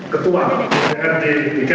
ketua bpnt dki